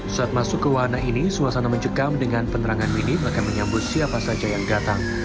saat masuk ke wahana ini suasana mencekam dengan penerangan minim akan menyambut siapa saja yang datang